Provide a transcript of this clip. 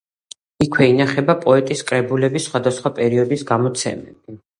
იქვე ინახება პოეტის კრებულების სხვადასხვა პერიოდის გამოცემები.